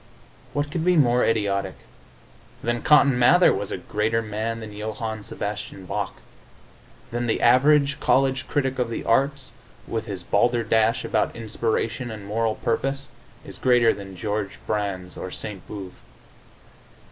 What could be more idiotic? Then Cotton Mather was a greater man than Johann Sebastian Bach. Then the average college critic of the arts, with his balderdash about inspiration and moral purpose, is greater than Georg Brandes or Saint Beuve.